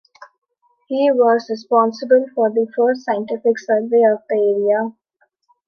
He was responsible for the first scientific survey of the area.